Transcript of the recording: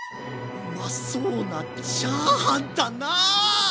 うまそうなチャーハンだな。